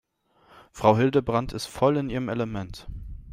Frau Hildebrand ist voll in ihrem Element.